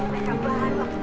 udah uang dari juga